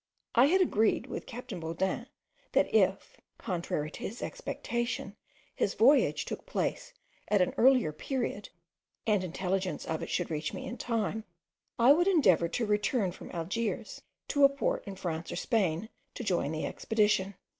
I had agreed with captain Baudin, that if, contrary to his expectation, his voyage took place at an earlier period, and intelligence of it should reach me in time, I would endeavour to return from Algiers to a port in France or Spain, to join the expedition.